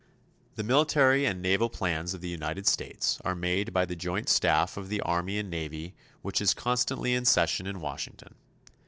The military and naval plans of the United States are made by the Joint Staff of the Army and Navy which is constantly in session in Washington.